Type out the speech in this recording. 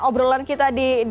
obrolan kita di